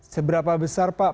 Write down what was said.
seberapa besar pak